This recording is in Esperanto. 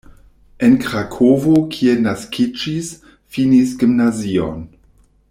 En Krakovo, kie naskiĝis, finis gimnazion.